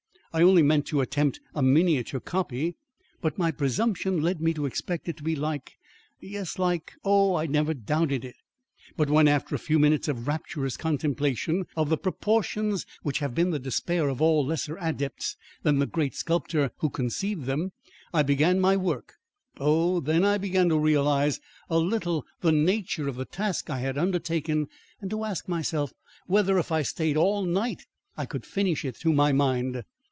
I only meant to attempt a miniature copy, but my presumption led me to expect it to be like yes, like oh, I never doubted it! But when, after a few minutes of rapturous contemplation of the proportions which have been the despair of all lesser adepts than the great sculptor who conceived them, I began my work, oh, then I began to realise a little the nature of the task I had undertaken and to ask myself whether if I stayed all night I could finish it to my mind.